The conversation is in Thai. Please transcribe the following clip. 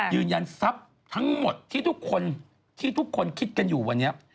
ยืนยันทรัพย์ทั้งหมดที่ทุกคนที่ทุกคนคิดกันอยู่วันนี้